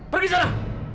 pergi ke sana